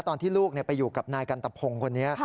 ตอนที่ลูกไปอยู่กับนายกันตะพงคนนี้